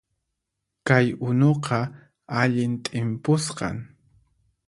Kay unuqa allin t'impusqan